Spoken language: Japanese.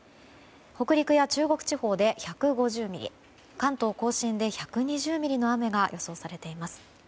北陸や中国地方で１５０ミリ関東・甲信で１２０ミリの雨が予想されています。